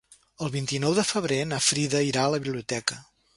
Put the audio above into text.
El vint-i-nou de febrer na Frida irà a la biblioteca.